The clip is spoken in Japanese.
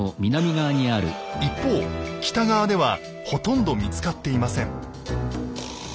一方北側ではほとんど見つかっていません。